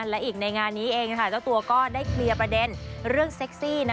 และอีกในงานนี้เองค่ะเจ้าตัวก็ได้เคลียร์ประเด็นเรื่องเซ็กซี่